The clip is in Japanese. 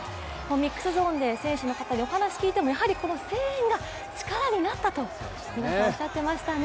ミックスゾーンで選手の方にお話を聞いても、やはりこの声援が力になったと皆さんおっしゃってましたね。